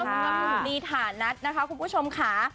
หนุ่มลีถานัดนะคะคุณผู้ชมค่ะ